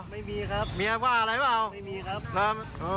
ไม่มีครับเมียว่าอะไรเปล่าไม่มีครับครับ